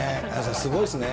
すごいですね。